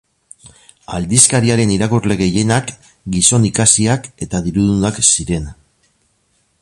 Aldizkariaren irakurle gehienak gizon ikasiak eta dirudunak ziren.